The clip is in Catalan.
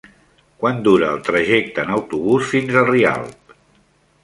Quant dura el trajecte en autobús fins a Rialp?